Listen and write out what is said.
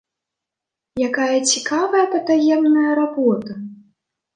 Якая цікавая патаемная работа!